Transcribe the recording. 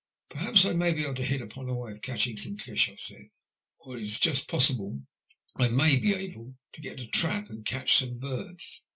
*'" Perhaps I may be able to hit upon a way of catch ing some fish," I said ;'' or it is just possible I may be able to get a trap and catch some birds.